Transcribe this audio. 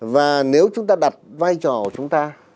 và nếu chúng ta đặt vai trò của chúng ta